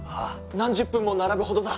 何十分も並ぶほどだ